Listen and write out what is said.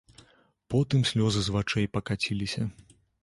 Потым слёзы з вачэй пакаціліся.